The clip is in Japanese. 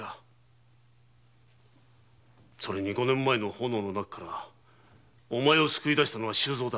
それに五年前の炎の中からお前を救い出したのは周蔵だ。